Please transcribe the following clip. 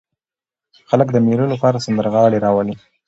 خلک د مېلو له پاره سندرغاړي راولي.